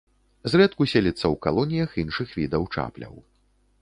Зрэдку селіцца ў калоніях іншых відаў чапляў.